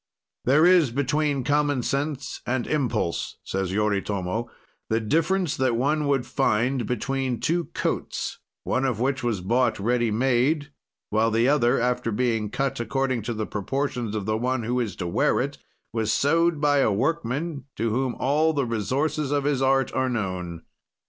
"There is, between common sense and impulse," says Yoritomo, "the difference that one would find between two coats, one of which was bought ready made, while the other, after being cut according to the proportions of the one who is to wear it, was sewed by a workman to whom all the resources of his art are known."